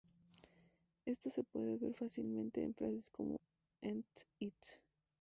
Esto se puede ver fácilmente en frases como: "Ent it?